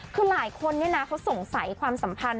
คือหลายคนเขาสงสัยความสัมพันธ